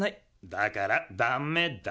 だからダメだ。